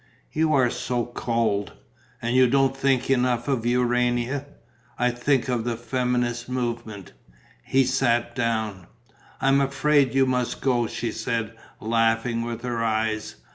"You are so cold." "And you don't think enough of Urania." "I think of the feminist movement." He sat down. "I'm afraid you must go," she said, laughing with her eyes.